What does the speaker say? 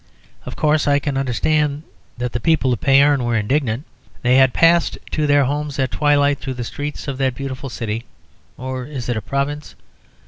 Of course I can understand that the people of Payerne were indignant. They had passed to their homes at twilight through the streets of that beautiful city (or is it a province?)